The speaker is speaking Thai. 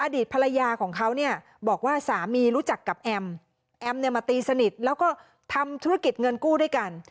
อดีตภรรยาของเขาเนี่ยบอกว่าสามีรู้จักกับแอมแอมเนี่ยมาตีสนิทแล้วก็ทำธุรกิจเงินกู้ด้วยกัน